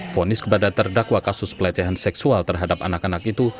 fonis kepada terdakwa kasus pelecehan seksual terhadap anak anak itu